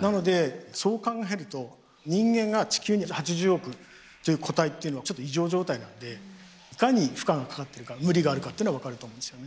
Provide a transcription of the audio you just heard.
なのでそう考えると人間が地球に８０億という個体っていうのちょっと異常状態なんでいかに負荷がかかってるか無理があるかっていうのが分かると思うんですよね。